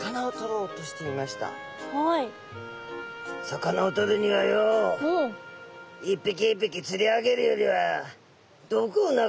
「魚をとるにはよう一匹一匹釣りあげるよりは」